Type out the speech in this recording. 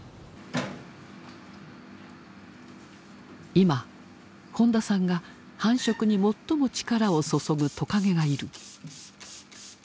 今本田さんが繁殖に最も力を注ぐトカゲがいる。